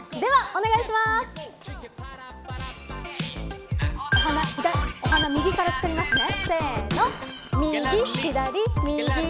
お花、右からつくりますね。